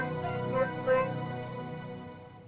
epingin oleh juara muda beli jantung